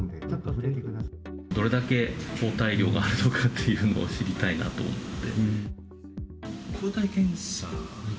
どれだけ抗体量があるのかっていうのを知りたいなと思って。